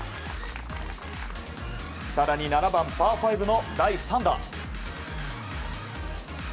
更に７番、パー５の第３打。